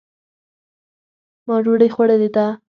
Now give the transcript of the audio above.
ما دوډۍ خوړلې ده